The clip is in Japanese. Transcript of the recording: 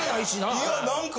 いや何か。